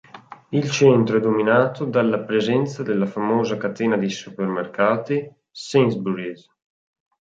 Il centro è dominato dalla presenza della famosa catena di supermercati Sainsbury's.